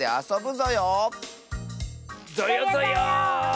ぞよぞよ。